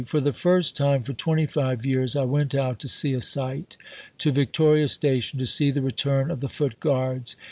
For the first time for 25 years I went out to see a sight to Victoria Station to see the return of the Foot Guards.